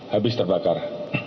yaitu habis terbakar